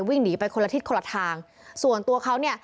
วิ่งหนีไปคนละทิศคนละทางส่วนตัวเขาเนี่ย